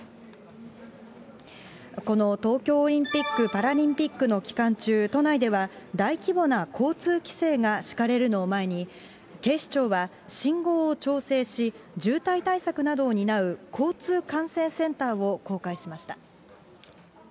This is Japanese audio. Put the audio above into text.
この東京オリンピック・パラリンピックの期間中、都内では大規模な交通規制が敷かれるのを前に、警視庁は信号を調整し、渋滞対策などを担う交通管制センターを公開しました。